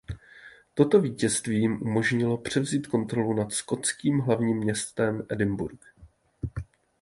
Toto vítězství jim umožnilo převzít kontrolu nad skotským hlavním městem Edinburgh.